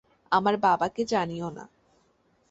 আমার বাবা কে জানিও না।